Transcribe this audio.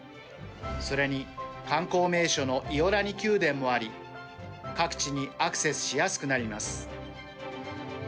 それに観光名所のイオラニ宮殿もあり各地にアクセスしやすくなります。